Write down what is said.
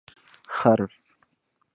🫏 خر